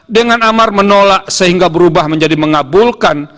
dengan amar menolak sehingga berubah menjadi mengabulkan